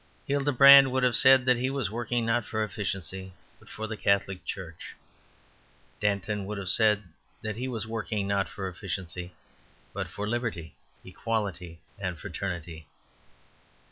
Hildebrand would have said that he was working not for efficiency, but for the Catholic Church. Danton would have said that he was working not for efficiency, but for liberty, equality, and fraternity.